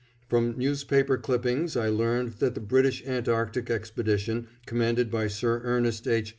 From newspaper clippings I learned that the British Antarctic Expedition, commanded by Sir Ernest H.